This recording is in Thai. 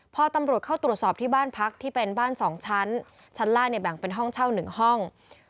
พอตำรวจเข้าตรวจสอบที่บ้านพักที่เป็นบ้าน๒ชั้นชั้นล่างเนี่ยแบ่งเป็นห้องเช่า๑ห้อง